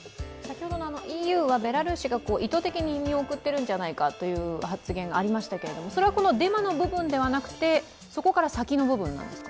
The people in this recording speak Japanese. ＥＵはベラルーシが意図的に移民を送っているんじゃないかという発言がありましたがそれはデマの部分ではなく、そこから先の部分なんですか？